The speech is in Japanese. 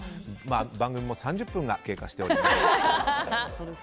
番組も３０分が経過しています。